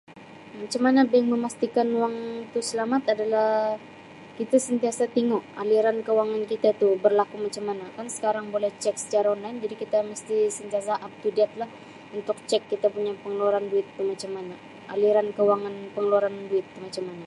"Macam mana bank memastikan wang itu selamat adalah kita sentiasa tingu aliran kewangan kita tu berlaku macam mana. Kan sekarang boleh cek secara ""online"" jadi kita mesti sentiasa ""up-to-date"" lah untuk cek kita punya pengeluaran duit tu macam mana, aliran kewangan pengeluaran duit tu macam mana. "